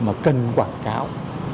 mà cần quảng cáo